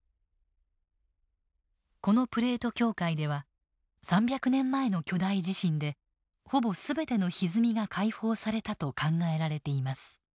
このプレート境界では３００年前の巨大地震でほぼ全てのひずみが解放されたと考えられています。